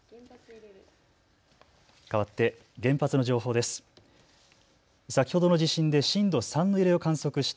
かわって原発の情報です。